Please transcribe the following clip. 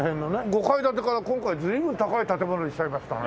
５階建てから今回随分高い建物にしちゃいましたね。